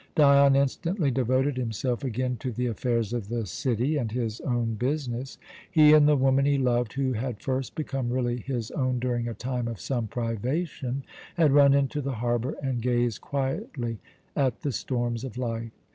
Dion instantly devoted himself again to the affairs of the city and his own business. He and the woman he loved, who had first become really his own during a time of sore privation, had run into the harbour and gazed quietly at the storms of life.